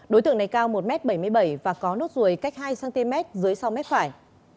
đối tượng này cao một m bảy mươi bảy và có nốt ruồi cách hai cm dưới sau mép phải